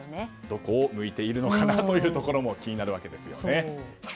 どこを向いているのかなというところも気になりますね。